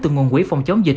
từ nguồn quỹ phòng chống dịch